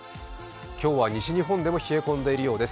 今日は西日本でも冷え込んでいるようです。